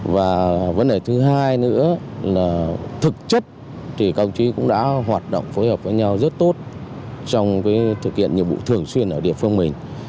và vấn đề thứ hai nữa là thực chất thì các ông chí cũng đã hoạt động phối hợp với nhau rất tốt trong thực hiện nhiệm vụ thường xuyên ở địa phương mình